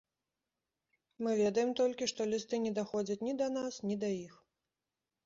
Мы ведаем толькі, што лісты не даходзяць ні да нас, ні да іх.